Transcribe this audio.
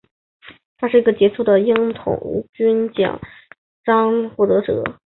他是一个杰出的鹰童军奖章获得者。